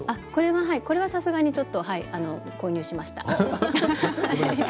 これはさすがにちょっと購入しました。